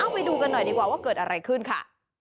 ไปดูกันหน่อยดีกว่าว่าเกิดอะไรขึ้นค่ะ